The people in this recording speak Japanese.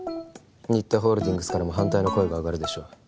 新田ホールディングスからも反対の声があがるでしょう